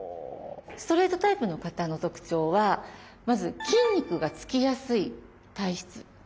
ストレートタイプの方の特徴はまず筋肉が付きやすい体質